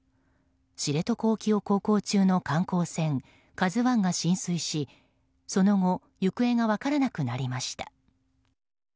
知床沖を航行中の観光船「ＫＡＺＵ１」が浸水しその後、行方が分からなくなりました。